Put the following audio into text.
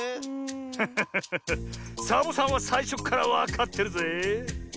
フフフサボさんはさいしょっからわかってるぜえ。